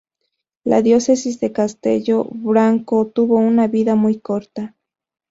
La diócesis de Castello Branco tuvo una vida muy corta.